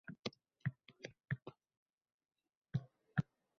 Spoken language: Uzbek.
Yomon ekansan-a?